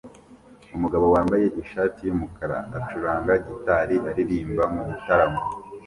Umugabo wambaye ishati yumukara acuranga gitari aririmba mugitaramo